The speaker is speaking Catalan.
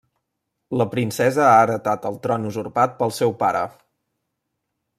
La Princesa ha heretat el tron usurpat pel seu pare.